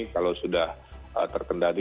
kalau sudah terkendali